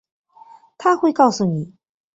她会告诉你